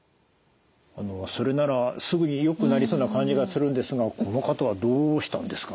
それならすぐによくなりそうな感じがするんですがこの方はどうしたんですかね？